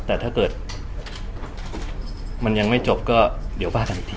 แต่ถ้าเกิดมันยังไม่จบก็เดี๋ยวว่ากันอีกที